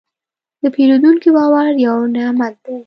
د پیرودونکي باور یو نعمت دی.